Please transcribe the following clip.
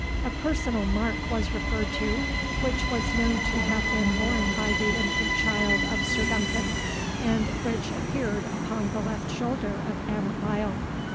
A personal mark was referred to, which was known to have been borne by the infant child of Sir Duncan, and which appeared upon the left shoulder of Annot Lyle.